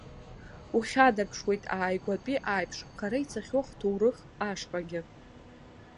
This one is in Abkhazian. Ухьадырԥшуеит ааигәатәи аиԥш, хара ицахьоу ҳҭоурых ашҟагьы.